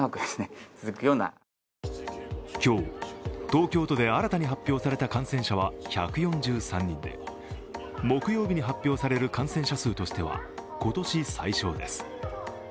今日、東京都で新たに発表された感染者は１４３人で木曜日に発表される感染者数としては今年最少です。